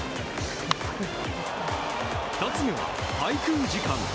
２つ目は滞空時間。